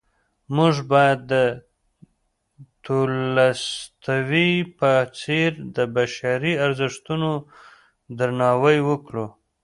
موږ باید د تولستوی په څېر د بشري ارزښتونو درناوی وکړو.